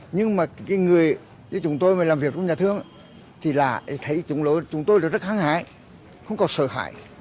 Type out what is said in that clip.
nhưng mà cái người với chúng tôi mà làm việc trong nhà thương thì là thấy chúng tôi là rất hăng hái không còn sợ hãi